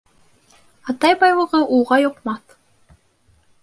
Атай байлығы улға йоҡмаҫ.